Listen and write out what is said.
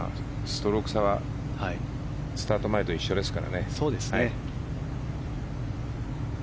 ストローク差はスタート前と一緒ですからね。